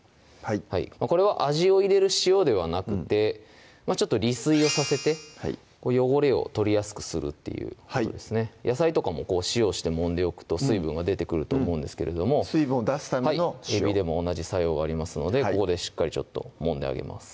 これは味を入れる塩ではなくてちょっと離水をさせて汚れを取りやすくするっていう野菜とかも塩をしてもんでおくと水分が出てくると思うんですけど水分を出すための塩えびでも同じ作用がありますのでここでしっかりちょっともんであげます